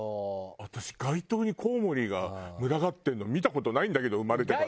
私街灯にコウモリが群がってるの見た事ないんだけど生まれてから。